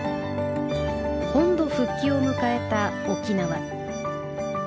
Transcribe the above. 本土復帰を迎えた沖縄。